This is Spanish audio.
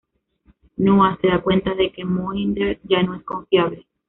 Noah se da cuenta de que Mohinder ya no es confiable.